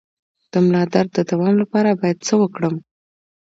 د ملا درد د دوام لپاره باید څه وکړم؟